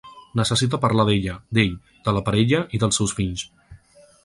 Necessita parlar d’ella, d’ell, de la parella i dels seus fills.